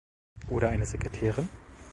Oder eine Sekretärin?